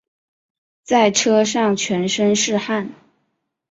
在车上全身是汗